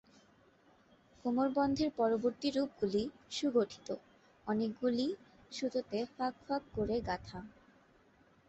কোমরবন্ধের পরবর্তী রূপগুলি সুগঠিত, অনেকগুলি সুতোতে ফাঁক ফাঁক করে গাঁথা।